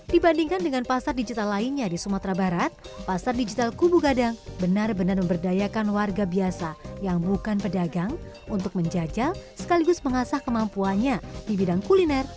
dibandingkan dengan pasar digital lainnya di sumatera barat pasar digital kubu gadang benar benar memberdayakan warga biasa yang bukan pedagang untuk menjajal sekaligus mengasah kemampuannya di bidang kuliner